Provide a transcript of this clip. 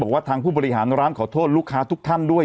บอกว่าทางผู้บริหารร้านขอโทษลูกค้าทุกท่านด้วย